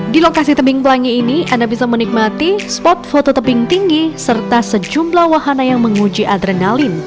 di lokasi tebing pelangi ini anda bisa menikmati spot foto tebing tinggi serta sejumlah wahana yang menguji adrenalin